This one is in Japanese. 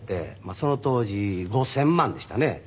その当時５０００万でしたね。